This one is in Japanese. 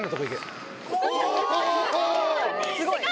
すごい！